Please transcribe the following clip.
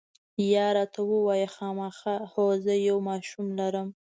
یا، راته ووایه، خامخا؟ هو، زه یو ماشوم لرم.